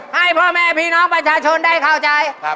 ให้พ่อแม่พี่น้องประชาชนได้เข้าใจ